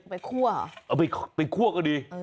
คั่วเหรอเอาไปคั่วก็ดี